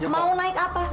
mau naik apa